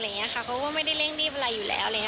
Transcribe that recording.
เพราะว่าไม่ได้เร่งรีบอะไรอยู่แล้ว